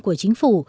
của chính phủ